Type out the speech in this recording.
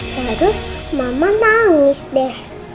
terus mama nangis deh